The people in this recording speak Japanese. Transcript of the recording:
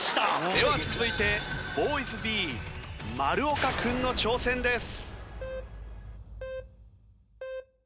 では続いてＢｏｙｓｂｅ丸岡君の挑戦です。